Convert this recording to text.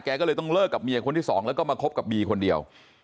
ก็เลยต้องเลิกกับเมียคนที่สองแล้วก็มาคบกับบีคนเดียว